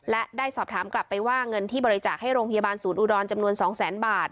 และได้สอบถามกลับไปว่าเงินที่บริจาคให้โรงพยาบาลศูนย์อุดรจำนวน๒แสนบาท